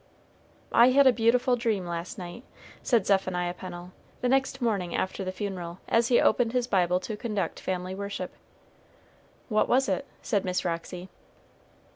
"I had a beautiful dream last night," said Zephaniah Pennel, the next morning after the funeral, as he opened his Bible to conduct family worship. "What was it?" said Miss Roxy.